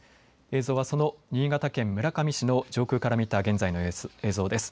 映像はその新潟県村上市の上空から見た現在の映像です。